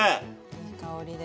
いい香りで。